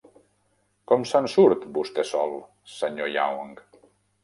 Com se'n surt vostè sol, Sr. Young?